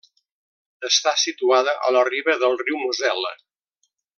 Està situada a la riba del riu Mosel·la.